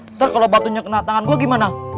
ntar kalo batunya kena tangan gua gimana